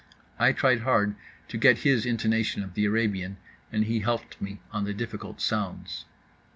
I tried hard to get his intonation of the Arabian, and he helped me on the difficult sounds.